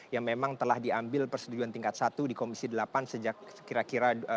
yang memang telah diambil persetujuan tingkat satu di komisi delapan sejak kira kira dua ribu delapan belas